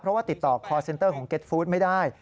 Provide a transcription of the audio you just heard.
เพราะว่าติดต่อคอร์เซ็นเตอร์ของเก็ตฟู้ดไม่ได้